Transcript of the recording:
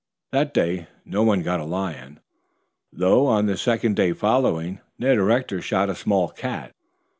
That day no one got a lion, though on the second day following Ned Rector shot a small cat.